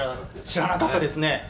知らなかったですね。